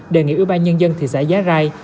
đề nghị ủy ban nhân dân thì xã gia rai